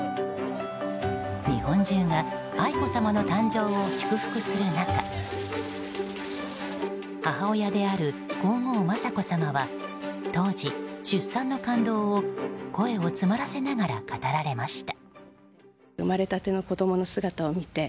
日本中が愛子さまの誕生を祝福する中母親である皇后・雅子さまは当時、出産の感動を声を詰まらせながら語られました。